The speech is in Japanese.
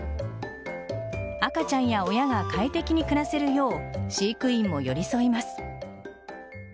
赤ちゃんや親が快適に暮らせるよう飼育員も寄り添います。